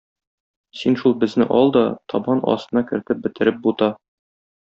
Син шул безне ал да, табан астына кертеп бетереп бута.